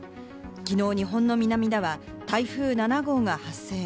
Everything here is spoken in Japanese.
きのう、日本の南では台風７号が発生。